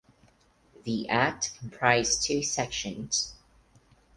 The Act comprised two sections.